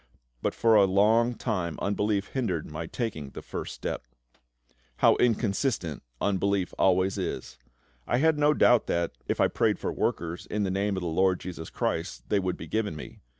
But for a long time unbelief hindered my taking the first step. How inconsistent unbelief always is! I had no doubt that, if I prayed for workers, "in the Name" of the LORD JESUS CHRIST, they would be given me.